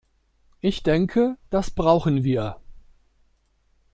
Ich denke, das brauchen wir.